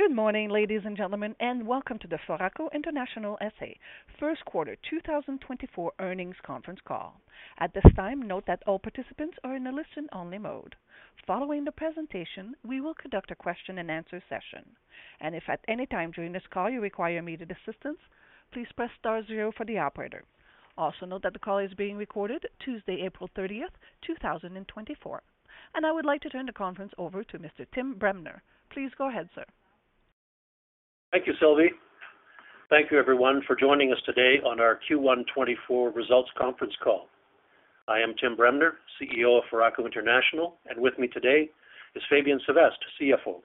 Good morning, ladies and gentlemen, and welcome to the Foraco International SA first quarter 2024 earnings conference call. At this time, note that all participants are in a listen-only mode. Following the presentation, we will conduct a question-and-answer session, and if at any time during this call you require immediate assistance, please press star 0 for the operator. Also note that the call is being recorded Tuesday, April 30th, 2024, and I would like to turn the conference over to Mr. Tim Bremner. Please go ahead, sir. Thank you, Sylvie. Thank you, everyone, for joining us today on our Q1 2024 results conference call. I am Tim Bremner, CEO of Foraco International, and with me today is Fabien Sevestre, CFO.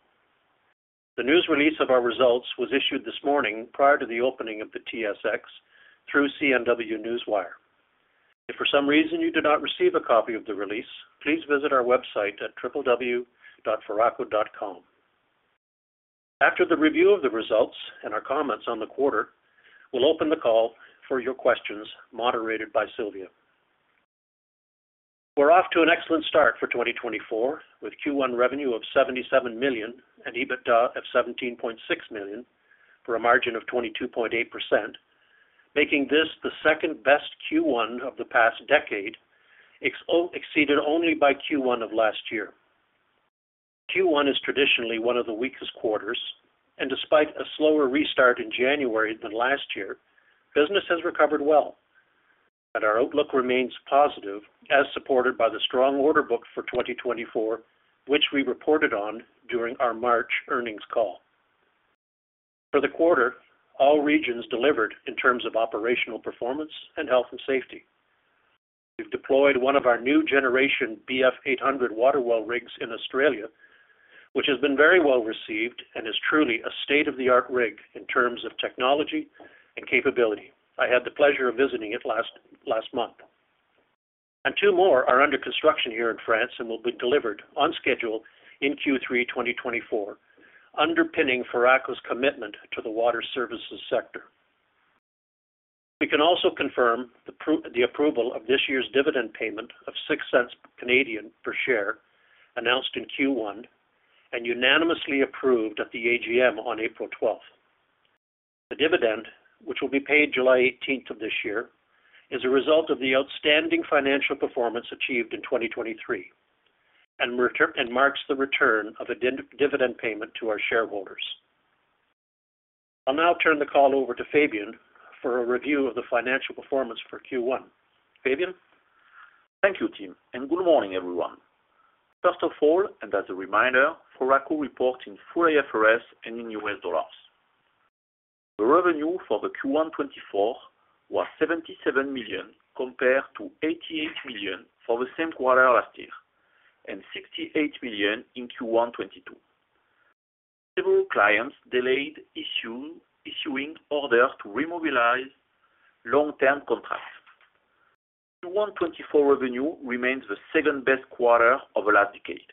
The news release of our results was issued this morning prior to the opening of the TSX through CNW Newswire. If for some reason you did not receive a copy of the release, please visit our website at www.foraco.com. After the review of the results and our comments on the quarter, we'll open the call for your questions, moderated by Sylvie. We're off to an excellent start for 2024 with Q1 revenue of $77 million and EBITDA of $17.6 million for a margin of 22.8%, making this the second-best Q1 of the past decade, exceeded only by Q1 of last year. Q1 is traditionally one of the weakest quarters, and despite a slower restart in January than last year, business has recovered well, and our outlook remains positive as supported by the strong order book for 2024, which we reported on during our March earnings call. For the quarter, all regions delivered in terms of operational performance and health and safety. We've deployed one of our new-generation BF 800 water well rigs in Australia, which has been very well received and is truly a state-of-the-art rig in terms of technology and capability. I had the pleasure of visiting it last month. Two more are under construction here in France and will be delivered on schedule in Q3 2024, underpinning Foraco's commitment to the water services sector. We can also confirm the approval of this year's dividend payment of 0.06 per share, announced in Q1 and unanimously approved at the AGM on April 12th. The dividend, which will be paid July 18th of this year, is a result of the outstanding financial performance achieved in 2023 and marks the return of a dividend payment to our shareholders. I'll now turn the call over to Fabien for a review of the financial performance for Q1. Fabien? Thank you, Tim, and good morning, everyone. First of all, and as a reminder, Foraco reports in full IFRS and in US dollars. The revenue for Q1 2024 was $77 million compared to $88 million for the same quarter last year and $68 million in Q1 2022. Several clients delayed issuing orders to remobilize long-term contracts. Q1 2024 revenue remains the second-best quarter of the last decade.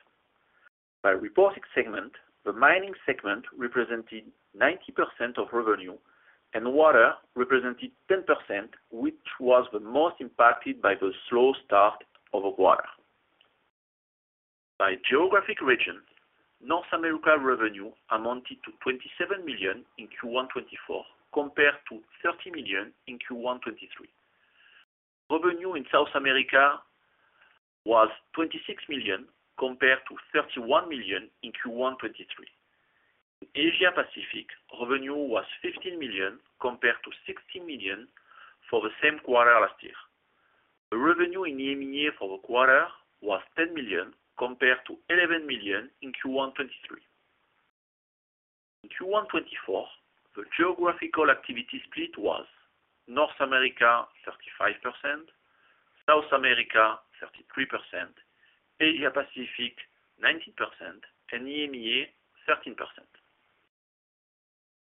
By reporting segment, the mining segment represented 90% of revenue, and water represented 10%, which was the most impacted by the slow start of the quarter. By geographic region, North America revenue amounted to $27 million in Q1 2024 compared to $30 million in Q1 2023. Revenue in South America was $26 million compared to $31 million in Q1 2023. In Asia-Pacific, revenue was $15 million compared to $16 million for the same quarter last year. The revenue in EMEA for the quarter was $10 million compared to $11 million in Q1 2023. In Q1 2024, the geographical activity split was: North America 35%, South America 33%, Asia-Pacific 19%, and EMEA 13%.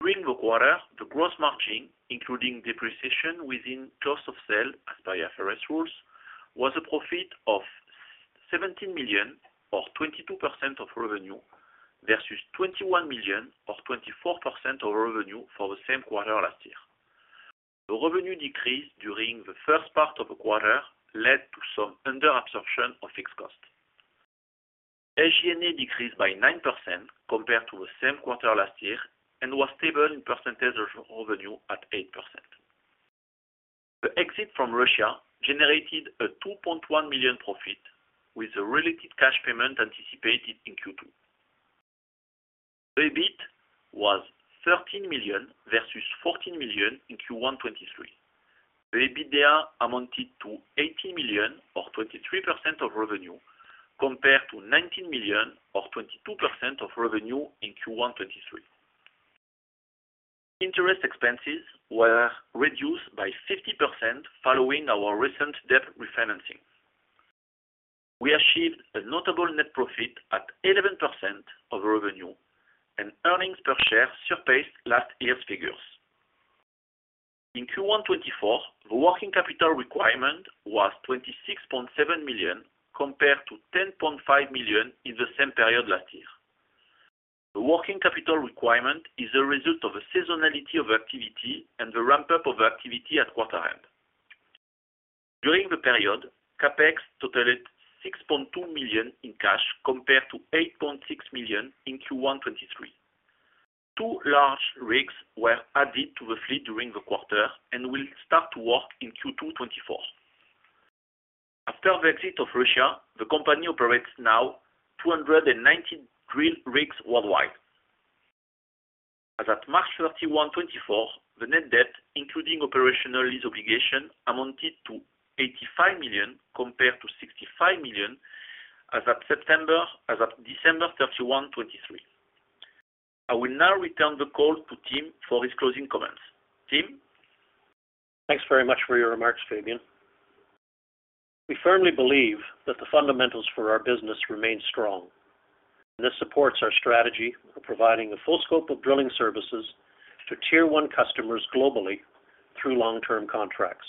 During the quarter, the gross margin, including depreciation within cost of sale as per IFRS rules, was a profit of $17 million or 22% of revenue versus $21 million or 24% of revenue for the same quarter last year. The revenue decrease during the first part of the quarter led to some underabsorption of fixed costs. G&A decreased by 9% compared to the same quarter last year and was stable in percentage of revenue at 8%. The exit from Russia generated a $2.1 million profit with a related cash payment anticipated in Q2. The EBIT was $13 million versus $14 million in Q1 2023. The EBITDA amounted to $18 million or 23% of revenue compared to $19 million or 22% of revenue in Q1 2023. Interest expenses were reduced by 50% following our recent debt refinancing. We achieved a notable net profit at 11% of revenue, and earnings per share surpassed last year's figures. In Q1 2024, the working capital requirement was $26.7 million compared to $10.5 million in the same period last year. The working capital requirement is the result of the seasonality of activity and the ramp-up of activity at quarter-end. During the period, CAPEX totaled $6.2 million in cash compared to $8.6 million in Q1 2023. Two large rigs were added to the fleet during the quarter and will start to work in Q2 2024. After the exit of Russia, the company operates now 290 drill rigs worldwide. As of March 31, 2024, the net debt, including operational lease obligation, amounted to $85 million compared to $65 million as of December 31, 2023. I will now return the call to Tim for his closing comments. Tim? Thanks very much for your remarks, Fabien. We firmly believe that the fundamentals for our business remain strong, and this supports our strategy of providing a full scope of drilling services to Tier-one customers globally through long-term contracts.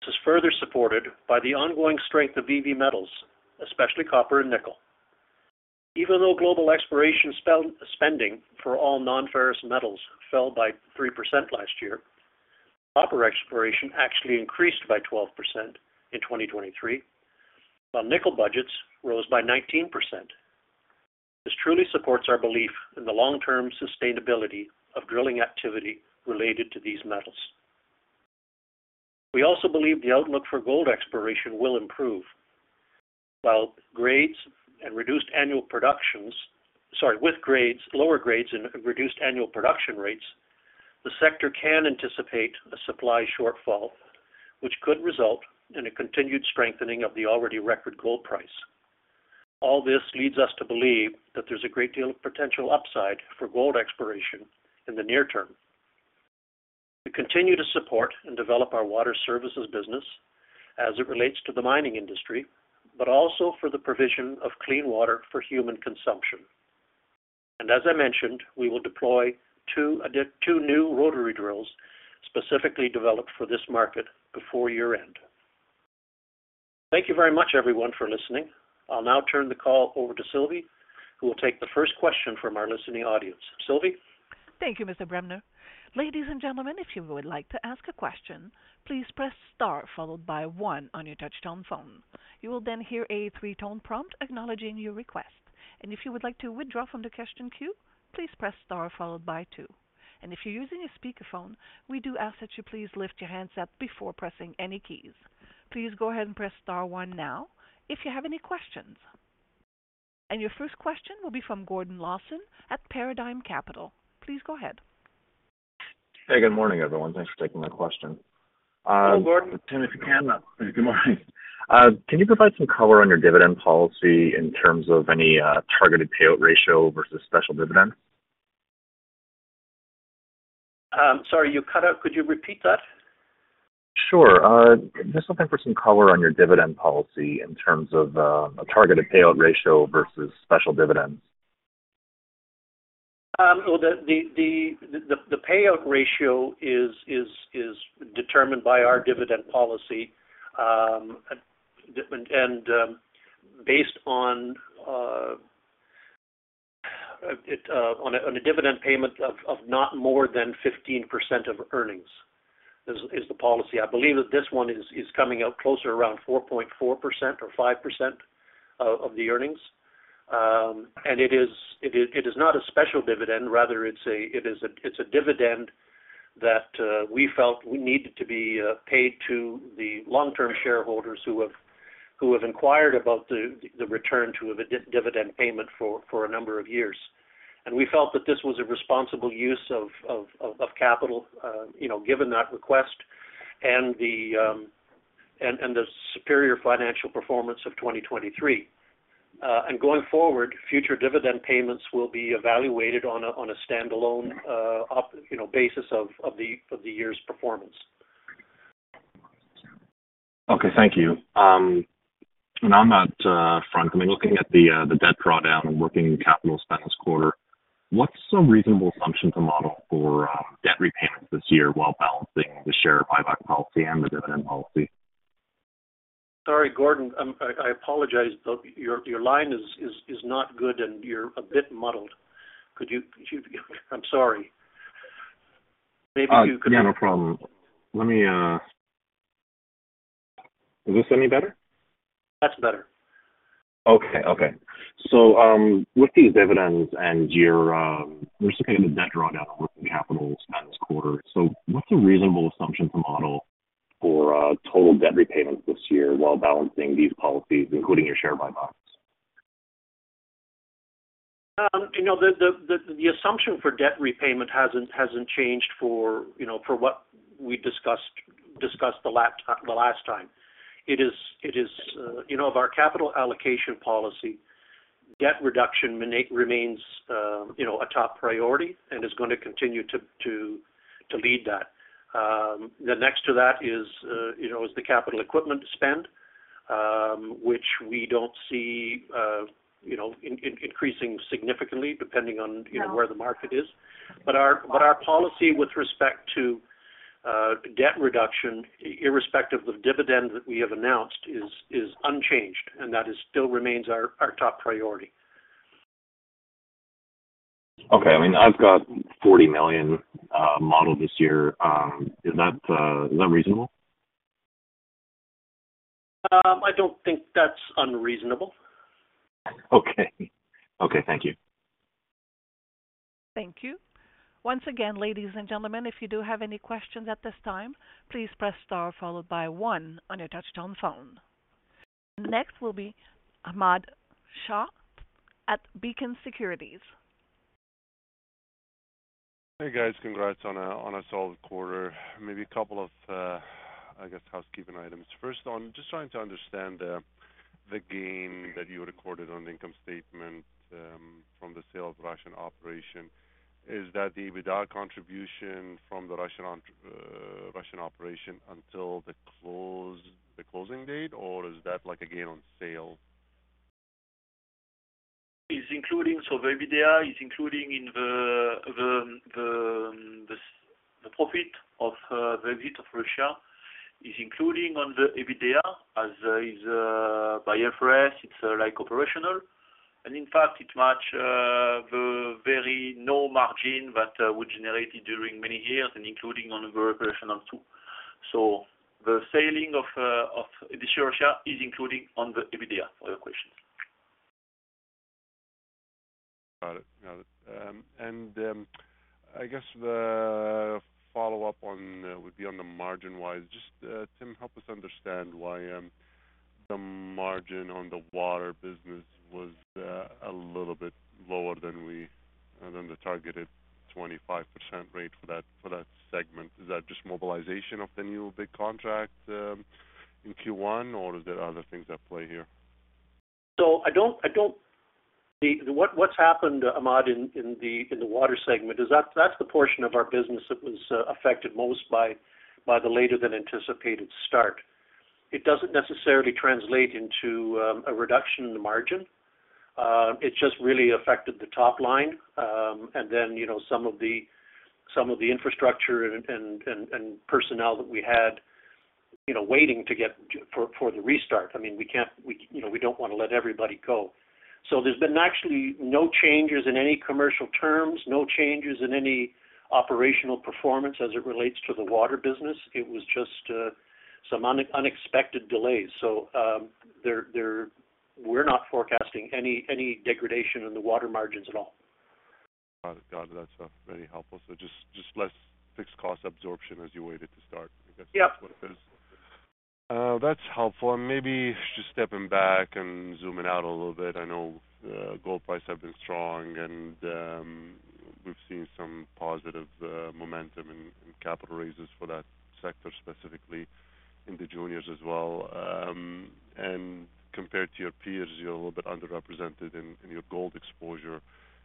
This is further supported by the ongoing strength of EV metals, especially copper and nickel. Even though global exploration spending for all non-ferrous metals fell by 3% last year, copper exploration actually increased by 12% in 2023, while nickel budgets rose by 19%. This truly supports our belief in the long-term sustainability of drilling activity related to these metals. We also believe the outlook for gold exploration will improve. While with lower grades in reduced annual production rates, the sector can anticipate a supply shortfall, which could result in a continued strengthening of the already record gold price. All this leads us to believe that there's a great deal of potential upside for gold exploration in the near term. We continue to support and develop our water services business as it relates to the mining industry, but also for the provision of clean water for human consumption. As I mentioned, we will deploy two new rotary drills specifically developed for this market before year-end. Thank you very much, everyone, for listening. I'll now turn the call over to Sylvie, who will take the first question from our listening audience. Sylvie? Thank you, Mr. Bremner. Ladies and gentlemen, if you would like to ask a question, please press star followed by one on your touch-tone phone. You will then hear a three-tone prompt acknowledging your request. If you would like to withdraw from the question queue, please press star followed by two. If you're using a speakerphone, we do ask that you please lift your handset before pressing any keys. Please go ahead and press star one now if you have any questions. Your first question will be from Gordon Lawson at Paradigm Capital. Please go ahead. Hey, good morning, everyone. Thanks for taking my question. Hi, Gordon. Tim, if you can, good morning. Can you provide some color on your dividend policy in terms of any targeted payout ratio versus special dividends? Sorry, you cut out. Could you repeat that? Sure. Just looking for some color on your dividend policy in terms of a targeted payout ratio versus special dividends. Well, the payout ratio is determined by our dividend policy and based on a dividend payment of not more than 15% of earnings is the policy. I believe that this one is coming out closer around 4.4% or 5% of the earnings. And it is not a special dividend. Rather, it's a dividend that we felt needed to be paid to the long-term shareholders who have inquired about the return to a dividend payment for a number of years. And we felt that this was a responsible use of capital given that request and the superior financial performance of 2023. And going forward, future dividend payments will be evaluated on a standalone basis of the year's performance. Okay. Thank you. And on that front, I mean, looking at the debt drawdown and working capital spend this quarter, what's a reasonable assumption to model for debt repayments this year while balancing the share of NCIB policy and the dividend policy? Sorry, Gordon. I apologize. Your line is not good, and you're a bit muddled. I'm sorry. Maybe you could. I have no problem. Is this any better? That's better. Okay. Okay. So with these dividends and you're just looking at the debt drawdown and working capital spend this quarter. So what's a reasonable assumption to model for total debt repayments this year while balancing these policies, including your share of NCIBs? The assumption for debt repayment hasn't changed for what we discussed the last time. It is of our capital allocation policy, debt reduction remains a top priority and is going to continue to lead that. Then next to that is the capital equipment spend, which we don't see increasing significantly depending on where the market is. But our policy with respect to debt reduction, irrespective of the dividend that we have announced, is unchanged, and that still remains our top priority. Okay. I mean, I've got $40 million modeled this year. Is that reasonable? I don't think that's unreasonable. Okay. Okay. Thank you. Thank you. Once again, ladies and gentlemen, if you do have any questions at this time, please press star followed by one on your touch-tone phone. Next will be Ahmad Shaath at Beacon Securities. Hey, guys. Congrats on a solid quarter. Maybe a couple of, I guess, housekeeping items. First, just trying to understand the gain that you recorded on the income statement from the sale of Russian operation. Is that the EBITDA contribution from the Russian operation until the closing date, or is that a gain on sale? So the EBITDA is including in the profit of the exit of Russia is including on the EBITDA as is by IFRS. It's operational. And in fact, it matches the very low margin that we generated during many years and including on the operational too. So the selling of this Russia is including on the EBITDA for your questions. Got it. Got it. I guess the follow-up would be on the margin-wise. Just, Tim, help us understand why the margin on the water business was a little bit lower than the targeted 25% rate for that segment. Is that just mobilization of the new big contract in Q1, or is there other things at play here? So what's happened, Ahmad, in the water segment, is that's the portion of our business that was affected most by the later-than-anticipated start. It doesn't necessarily translate into a reduction in the margin. It just really affected the top line. And then some of the infrastructure and personnel that we had waiting for the restart. I mean, we don't want to let everybody go. So there's been actually no changes in any commercial terms, no changes in any operational performance as it relates to the water business. It was just some unexpected delays. So we're not forecasting any degradation in the water margins at all. Got it. Got it. That's really helpful. So just less fixed cost absorption as you waited to start, I guess, is what it is. That's helpful. Maybe just stepping back and zooming out a little bit. I know gold prices have been strong, and we've seen some positive momentum in capital raises for that sector specifically in the juniors as well. Compared to your peers, you're a little bit underrepresented in your gold exposure.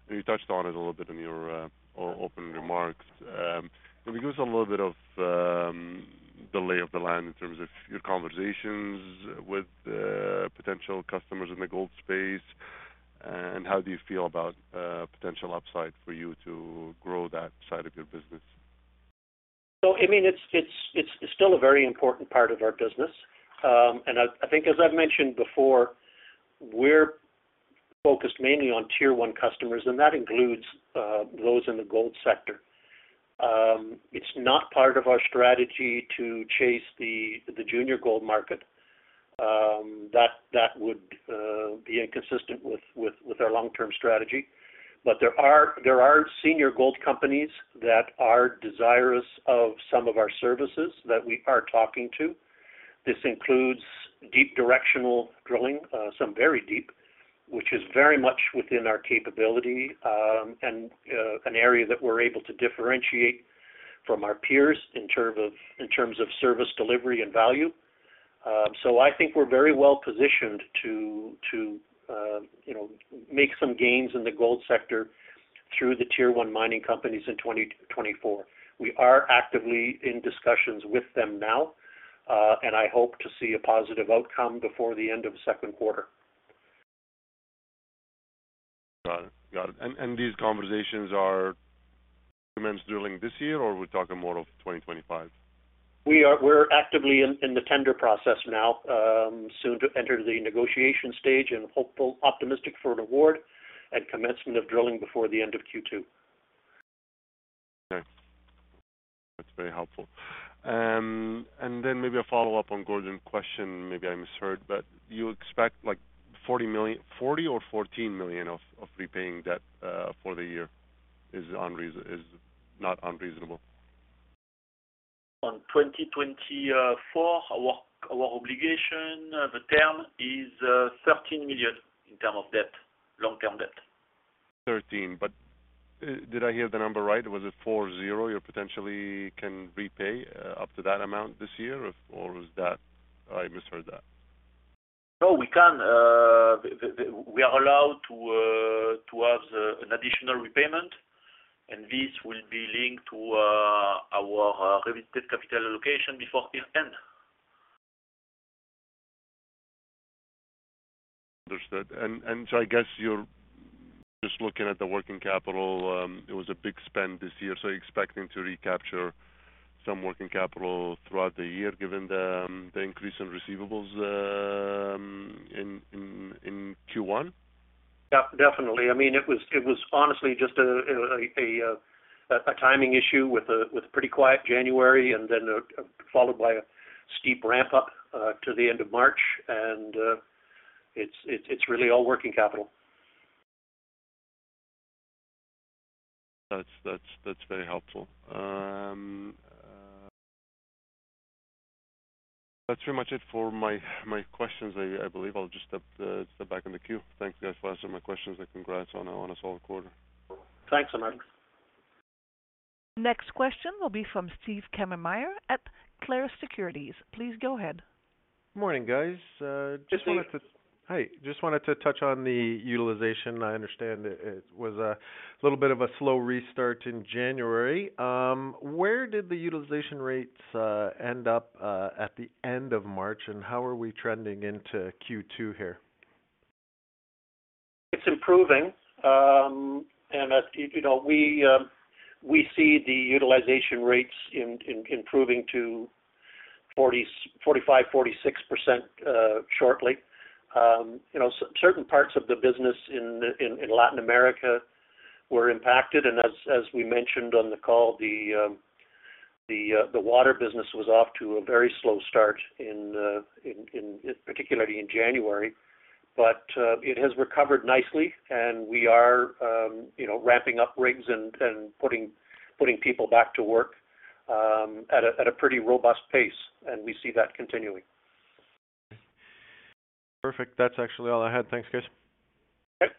You touched on it a little bit in your open remarks. Can you give us a little bit of a lay of the land in terms of your conversations with potential customers in the gold space, and how do you feel about potential upside for you to grow that side of your business? So I mean, it's still a very important part of our business. I think, as I've mentioned before, we're focused mainly on Tier-one customers, and that includes those in the gold sector. It's not part of our strategy to chase the junior gold market. That would be inconsistent with our long-term strategy. But there are senior gold companies that are desirous of some of our services that we are talking to. This includes deep-directional drilling, some very deep, which is very much within our capability and an area that we're able to differentiate from our peers in terms of service delivery and value. So I think we're very well positioned to make some gains in the gold sector through the Tier-one mining companies in 2024. We are actively in discussions with them now, and I hope to see a positive outcome before the end of the second quarter. Got it. Got it. These conversations are commenced drilling this year, or we're talking more of 2025? We're actively in the tender process now, soon to enter the negotiation stage, and hopeful, optimistic for an award and commencement of drilling before the end of Q2. Okay. That's very helpful. And then maybe a follow-up on Gordon's question. Maybe I misheard, but you expect $40 million or $14 million of repaying debt for the year is not unreasonable? In 2024, our obligation, the term, is $13 million in terms of debt, long-term debt. Did I hear the number right? Was it $40 you potentially can repay up to that amount this year, or is that I misheard that? No, we can. We are allowed to have an additional repayment, and this will be linked to our revisited capital allocation before year-end. Understood. So I guess you're just looking at the working capital. It was a big spend this year, so expecting to recapture some working capital throughout the year given the increase in receivables in Q1? Definitely. I mean, it was honestly just a timing issue with a pretty quiet January and then followed by a steep ramp-up to the end of March. It's really all working capital. That's very helpful. That's pretty much it for my questions, I believe. I'll just step back in the queue. Thanks, guys, for answering my questions and congrats on a solid quarter. Thanks, Ahmad. Next question will be from Steve Kammermayer at Clarus Securities. Please go ahead. Good morning, guys. Just wanted to touch on the utilization. I understand it was a little bit of a slow restart in January. Where did the utilization rates end up at the end of March, and how are we trending into Q2 here? It's improving. As we see the utilization rates improving to 45%-46% shortly, certain parts of the business in Latin America were impacted. As we mentioned on the call, the water business was off to a very slow start, particularly in January. But it has recovered nicely, and we are ramping up rigs and putting people back to work at a pretty robust pace. We see that continuing. Okay. Perfect. That's actually all I had. Thanks, guys. Okay.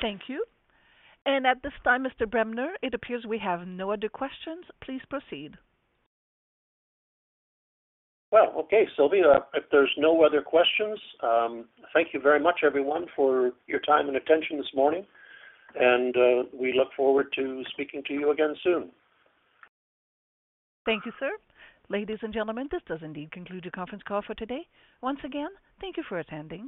Thank you. At this time, Mr. Bremner, it appears we have no other questions. Please proceed. Well, okay, Sylvie, if there's no other questions, thank you very much, everyone, for your time and attention this morning. We look forward to speaking to you again soon. Thank you, sir. Ladies and gentlemen, this does indeed conclude your conference call for today. Once again, thank you for attending.